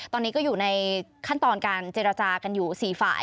ตอนนี้ก็อยู่ในขั้นตอนการเจรจากันอยู่๔ฝ่าย